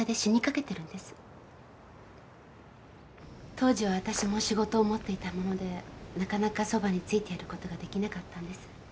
当時はわたしも仕事を持っていたものでなかなかそばに付いていることができなかったんです。